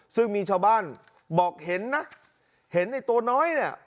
ซึ่งมีชาวบ้านบอกเห็นนะเห็นไอ้ตัวน้อยเนี่ย